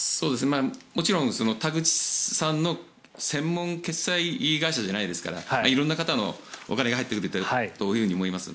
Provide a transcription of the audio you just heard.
もちろん田口さんの専門決済会社じゃないですから色んな方のお金が入っていると思います。